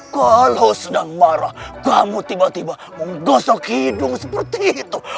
kalau sedang marah kamu tiba tiba menggosok hidung seperti itu